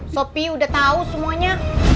sopi udah tau semuanya